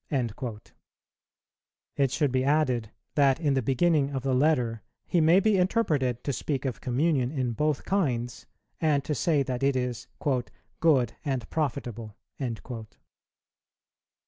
"[132:1] It should be added, that in the beginning of the Letter he may be interpreted to speak of communion in both kinds, and to say that it is "good and profitable."